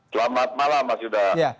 selamat malam mas yudha